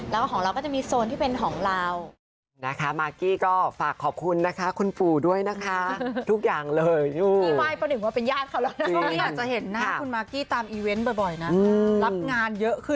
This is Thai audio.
แล้วของเราก็จะมีโซนที่เป็นของเรานะคะ